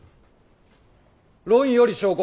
論より証拠。